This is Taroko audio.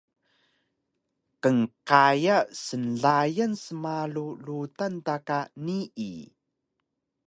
Qnqaya snlayan smalu rudan ta ka nii